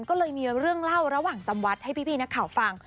ก็เลยมีเรื่องเล่าระหว่างจำวัดให้พี่นักข่าวฟัง